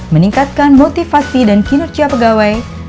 meningkatkan motivasi dan kinerja pegawai